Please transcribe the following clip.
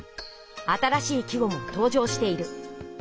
新しい季語もとう場している。